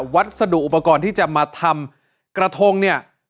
วัสดุอุปกรณ์ที่จะมาทำกระทงเนี่ย